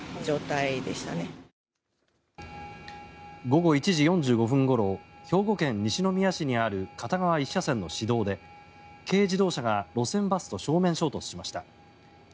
午後１時４５分ごろ兵庫県西宮市にある片側１車線の市道で軽自動車が路線バスと正面衝突しました。